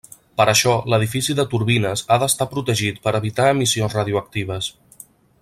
Per això l'edifici de turbines ha d'estar protegit per evitar emissions radioactives.